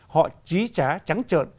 họ trí trá trắng trợn